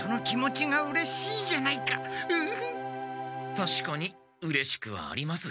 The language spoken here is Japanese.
たしかにうれしくはあります。